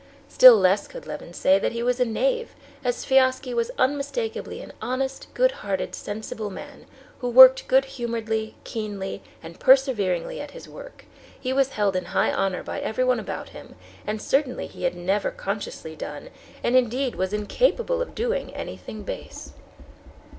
Still less could Levin say that he was a knave, as Sviazhsky was unmistakably an honest, good hearted, sensible man, who worked good humoredly, keenly, and perseveringly at his work; he was held in high honor by everyone about him, and certainly he had never consciously done, and was indeed incapable of doing, anything base.